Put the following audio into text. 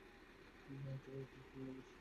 তুমি একজন মহান লবিস্ট।